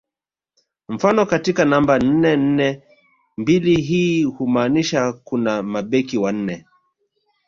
Mfano katika namba nne nne mbili hii humaanisha kuna mabeki wane